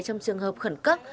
trong trường hợp khẩn cấp